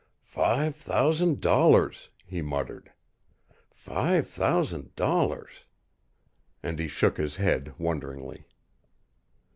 "Five thousand dollars," he muttered. "Five thousand dollars." And he shook his head wonderingly.